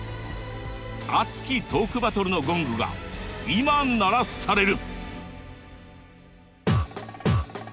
熱きトークバトルのゴングが今鳴らされる！